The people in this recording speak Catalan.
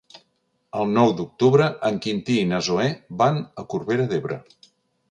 El nou d'octubre en Quintí i na Zoè van a Corbera d'Ebre.